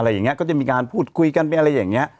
อะไรอย่างเงี้ยก็จะมีการพูดคุยกันไปอะไรอย่างเงี้ย